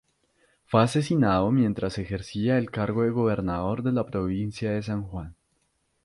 Fue asesinado mientras ejercía el cargo de gobernador de la provincia de San Juan.